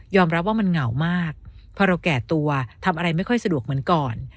รับว่ามันเหงามากพอเราแก่ตัวทำอะไรไม่ค่อยสะดวกเหมือนก่อน